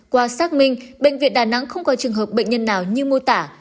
qua xác minh bệnh viện đà nẵng không có trường hợp bệnh nhân nào như mô tả